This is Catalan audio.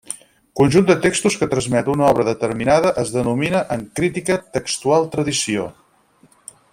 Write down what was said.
El conjunt de textos que transmet una obra determinada es denomina en crítica textual tradició.